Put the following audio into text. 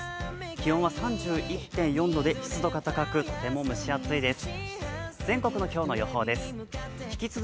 気温は３１．４度で湿度が高くとても蒸し暑いです。